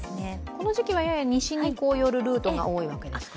この時期はやや西に寄るルートが多いんですか？